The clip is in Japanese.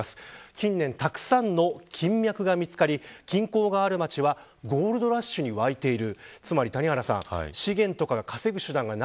近年たくさんの金脈が見つかり金鉱がある街はゴールドラッシュに沸いている。